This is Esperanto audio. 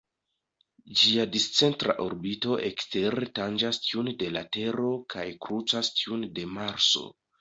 Ĝia discentra orbito ekstere tanĝas tiun de la Tero kaj krucas tiun de Marso.